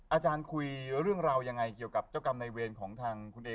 อาจารย์คุยเรื่องราวยังไงเกี่ยวกับเจ้ากรรมในเวรของทางคุณเอ